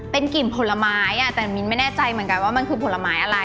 เป็นกลิ่นผลไม้แต่มิ้นไม่แน่ใจเหมือนกันว่ามันคือผลไม้อะไร